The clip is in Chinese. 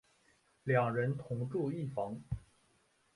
两人同住一房。